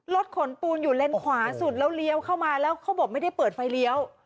รถขนปูนอยู่เลนขวาสุดแล้วเลี้ยวเข้ามาแล้วเขาบอกไม่ได้เปิดไฟเลี้ยว